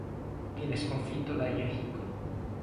Viene sconfitto da Yahiko.